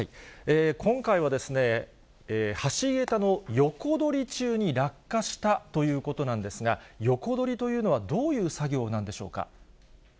今回はですね、橋桁の横取り中に落下したということなんですが、横取りというのはどういう作業なんでしょうか。